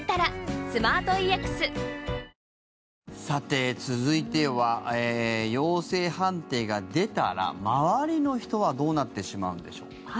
さて、続いては陽性判定が出たら周りの人はどうなってしまうんでしょう。